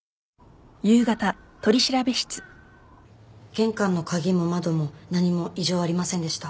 玄関の鍵も窓も何も異常ありませんでした。